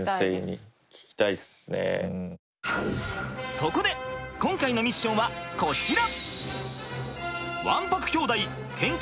そこで今回のミッションはこちら！